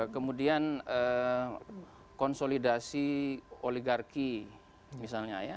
kemudian konsolidasi oligarki misalnya ya